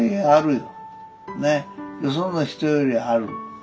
よその人よりある。